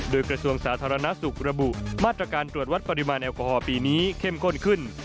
โดยกระทรวงสาธารณสุขระบุมาตรการตรวจวัดปริมาณแอลกอฮอลปีนี้เข้มข้นขึ้น